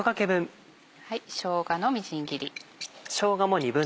しょうがのみじん切り。